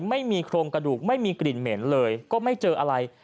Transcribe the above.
ไม่มีโครงกระดูกไม่มีกลิ่นเหม็นเลยก็ไม่เจออะไร